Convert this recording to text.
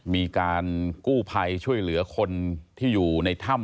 มีการกู้ภัยช่วยเหลือคนที่อยู่ในถ้ำ